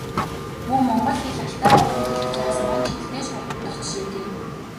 Мөн Монгол хэл Алтай овгийн хэл учраас Манж хэлтэй ч холбогдох жишээтэй.